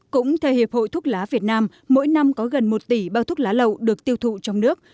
cũng theo hiệp hội thuốc lá việt nam mỗi năm có gần một tỷ bao thuốc lá lậu được tiêu thụ trong nước